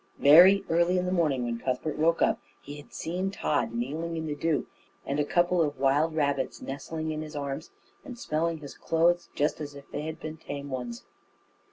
Very early in the morning, when Cuthbert woke up, he had seen Tod kneeling in the dew, and a couple of wild rabbits nestling in his arms and smelling his clothes, just as if they had been tame ones.